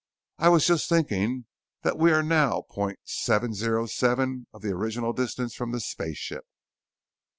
"I was just thinking that we are now point seven zero seven of the original distance from the spaceship."